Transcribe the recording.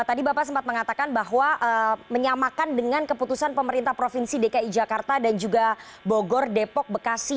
tadi bapak sempat mengatakan bahwa menyamakan dengan keputusan pemerintah provinsi dki jakarta dan juga bogor depok bekasi